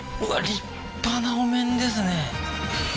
立派なお面ですね